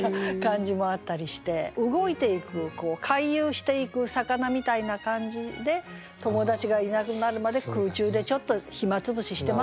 動いていく回遊していく魚みたいな感じで友達がいなくなるまで空中でちょっと暇潰ししてますよっていうね。